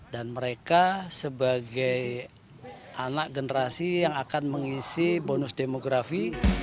mereka sebagai anak generasi yang akan mengisi bonus demografi